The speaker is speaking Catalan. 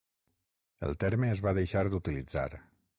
El terme es va deixar d'utilitzar.